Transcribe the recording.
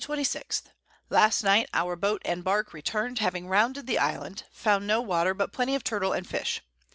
_ Last Night our Boat and Bark return'd, having rounded the Island, found no Water, but Plenty of Turtle and Fish.